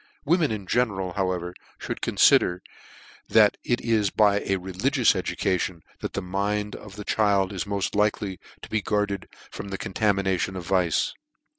Women in general, however, mould confider that it is by a religious education that the mind of the child is moft like ly to be guarded from the contaminations of vice.